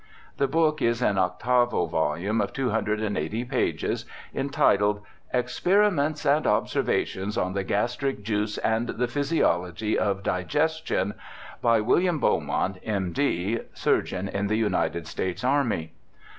The work is an octavo volume of 280 pages, entitled Experiments and Observations on the Gastric Juice and the Physiology of Digestion, by William Beaumont, M.D., Surgeon in the United States Army.